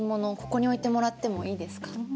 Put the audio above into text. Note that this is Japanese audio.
ここに置いてもらってもいいですか？